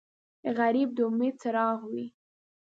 غریب د امید څراغ وي